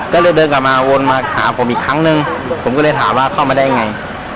ก็เลยเดินกลับมาวนมาหาผมอีกครั้งนึงผมก็เลยถามว่าเข้ามาได้ยังไง